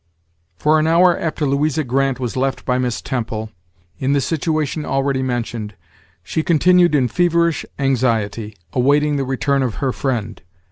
For an hour after Louisa Grant was left by Miss Temple, in the situation already mentioned, she continued in feverish anxiety, awaiting the return of her friend.